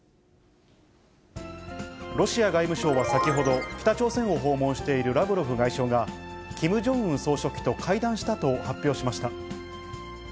ロシア外務省は先ほど、北朝鮮を訪問しているラブロフ外相が、キム・ジョンウン総書記と会談したと発表しました。